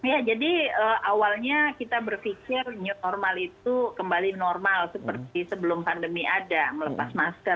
ya jadi awalnya kita berpikir new normal itu kembali normal seperti sebelum pandemi ada melepas masker